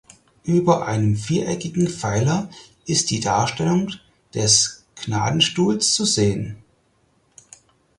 Über einem viereckigen Pfeiler ist die Darstellung des Gnadenstuhls zu sehen.